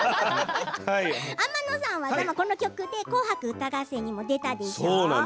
天野さんはこの曲で「紅白歌合戦」にも出たでしょう。